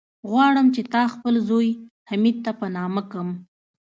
غواړم چې تا خپل زوی، حميد ته په نامه کم.